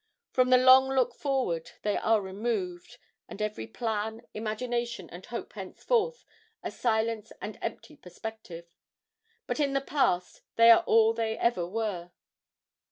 From the long look forward they are removed, and every plan, imagination, and hope henceforth a silent and empty perspective. But in the past they are all they ever were.